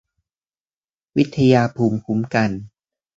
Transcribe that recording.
วิทยาภูมิคุ้มกัน